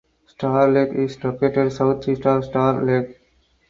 Star Lake is located southeast of Starr Lake.